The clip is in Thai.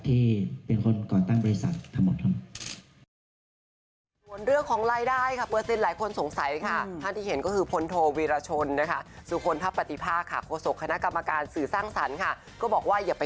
ต้องเองครับที่เป็นคนก่อนตั้งบริษัททั้งหมดครับ